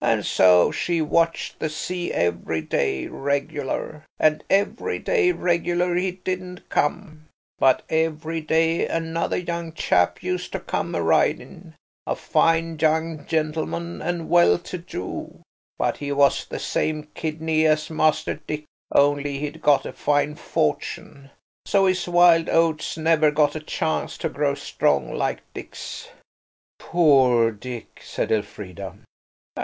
And so she watched the sea every day regular, and every day regular he didn't come. But every day another young chap used to come a riding–a fine young gentleman and well to do, but he was the same kidney as Master Dick, only he'd got a fine fortune, so his wild oats never got a chance to grow strong like Dick's." "Poor Dick!" said Elfrida.